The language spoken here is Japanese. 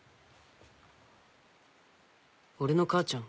俺の母ちゃん